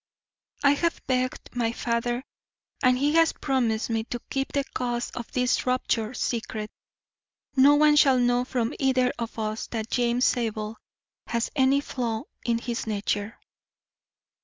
I have begged my father, and he has promised me, to keep the cause of this rupture secret. No one shall know from either of us that James Zabel has any flaw in his nature.